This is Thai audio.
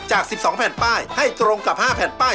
จาก๑๒แผ่นป้ายให้ตรงกับ๕แผ่นป้าย